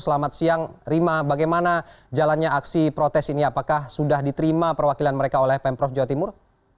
selamat siang rima bagaimana jalannya aksi protes ini apakah sudah diterima perwakilan mereka oleh pemprov jawa timur